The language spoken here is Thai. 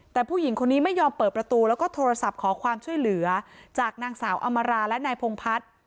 แต่ผู้หญิงคนนี้ไม่ยอมเปิดประตูแล้วก็โทรศัพท์ขอความช่วยเหลือจากนางสาวอำมาราและนายพงพัฒน์